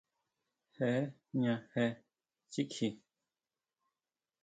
Jé jña jé kichjí.